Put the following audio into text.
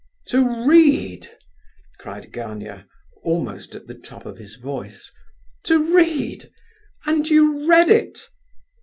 "To read?" cried Gania, almost at the top of his voice; "to read, and you read it?"